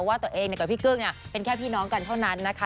ว่าตัวเองกับพี่กึ้งเป็นแค่พี่น้องกันเท่านั้นนะคะ